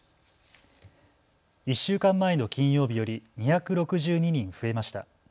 １週間前の金曜日より２６２人増えました。